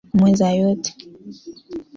Mweza yote.